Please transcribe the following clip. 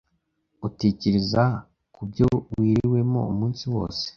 Utekereze ku byo wiriwemo umunsi wose